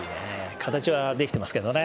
形はできてますけどね。